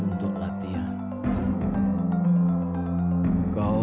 hanya kaki masuk kan